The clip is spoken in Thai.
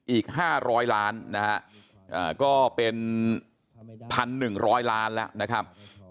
อีก๕๐๐ล้านนะครับก็เป็น๑๑๐๐ล้านแล้ว